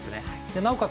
なおかつ